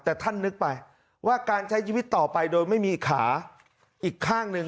แต่ท่านนึกไปว่าการใช้ชีวิตต่อไปโดยไม่มีขาอีกข้างหนึ่ง